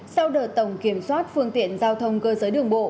sau đợt tổng kiểm soát phương tiện giao thông cơ giới đường bộ